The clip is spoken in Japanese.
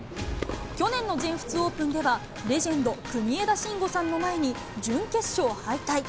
去年の全仏オープンでは、レジェンド、国枝慎吾さんの前に準決勝敗退。